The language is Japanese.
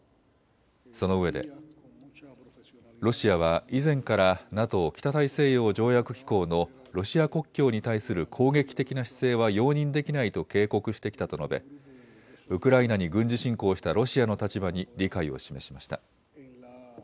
そのうえで、ロシアは以前からＮＡＴＯ・北大西洋条約機構のロシア国境に対する攻撃的な姿勢は容認できないと警告してきたと述べ、ウクライナに軍事侵攻したロシアの立場に理解を示しました。